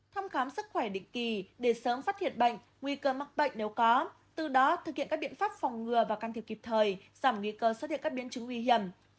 thăm khám sức khỏe định kỳ để sớm phát hiện bệnh nguy cơ mắc bệnh nếu có từ đó thực hiện các biện pháp phòng ngừa và can thiệp kịp thời giảm nguy cơ xuất hiện các biến chứng nguy hiểm